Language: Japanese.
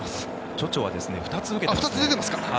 チョチョは２つ受けていますね。